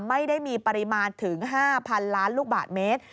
ไม่ได้มีปริมาณถึง๕๐๐๐ล้านลูกบาทเมตร